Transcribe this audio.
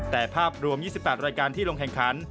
แต่ภาพรวม๒๘รายการที่ลงแข่งขัน